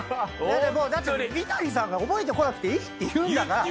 だって三谷さんが覚えてこなくていいって言うから。